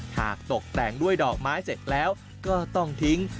ตกแต่งด้วยดอกไม้เสร็จแล้วก็ต้องทิ้ง